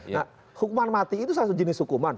nah hukuman mati itu satu jenis hukuman